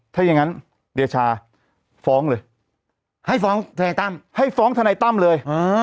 ถ้าอย่างนั้นเดชาฟ้องเลยให้ฟ้องทนายตั้มให้ฟ้องทนายตั้มเลย